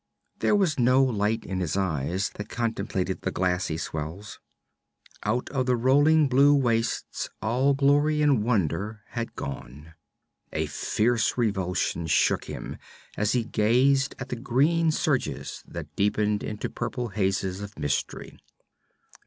There was no light in his eyes that contemplated the glassy swells. Out of the rolling blue wastes all glory and wonder had gone. A fierce revulsion shook him as he gazed at the green surges that deepened into purple hazes of mystery.